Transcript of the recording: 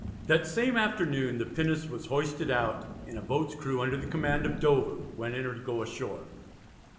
That same afternoon the pinnace was hoisted out and a boat's crew under the command of Dover went in her to go ashore.